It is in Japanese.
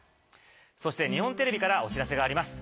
そして日本テレビからお知らせがあります。